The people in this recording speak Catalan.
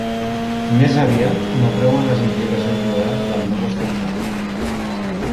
Més aviat m'atreuen les implicacions morals del nou espectacle.